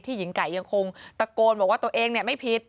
หญิงไก่ยังคงตะโกนบอกว่าตัวเองไม่ผิด